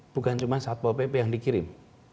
bukan cuma saat bawa pp yang dikirim